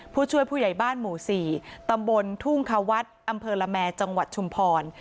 ผู้ช่วยผู้ใหญ่บ้านหมู่๔ตำบลทุ่งควัฒน์อำเภอละแมจังหวัดชุมพร